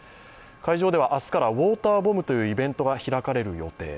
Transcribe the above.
会場では明日からウォーターボムというイベントが開かれる予定。